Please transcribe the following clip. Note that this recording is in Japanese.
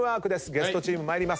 ゲストチーム参ります。